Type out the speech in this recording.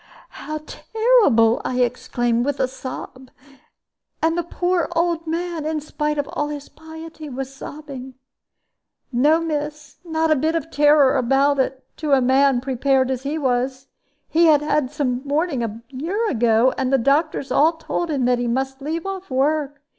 "How terrible!" I exclaimed, with a sob. And the poor old man, in spite of all his piety, was sobbing. "No, miss; not a bit of terror about it, to a man prepared as he was. He had had some warning just a year ago; and the doctors all told him he must leave off work.